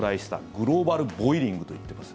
グローバル・ボイリングと言っています。